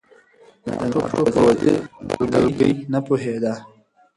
د ناټو پوځي دلګۍ نه پوهېده.